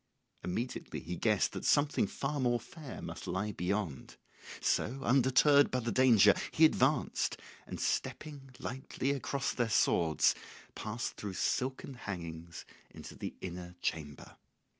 Immediately he guessed that something far more fair must lie beyond; so, undeterred by the danger, he advanced, and stepping lightly across their swords passed through silken hangings into the inner chamber.